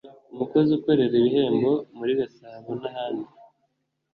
umukozi ukorera ibihembo muri Gasabo n,ahandi.